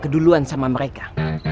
ke duluan sama mereka